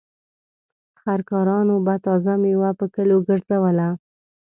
خر کارانو به تازه مېوه په کليو ګرځوله.